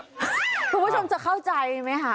คุณผู้ชมจะเข้าใจไหมคะ